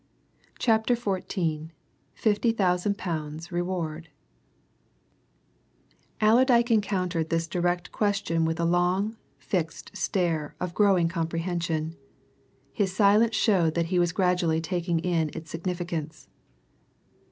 CHAPTER XIV FIFTY THOUSAND POUNDS REWARD Allerdyke encountered this direct question with a long, fixed stare of growing comprehension; his silence showed that he was gradually taking in its significance.